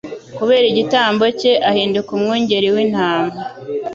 Kubera igitambo cye ahinduka Umwungeri w'intama.